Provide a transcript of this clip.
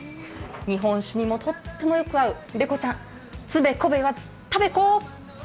日本酒にもとってもよく合うベコちゃん、つべこべ言わず、食べこー！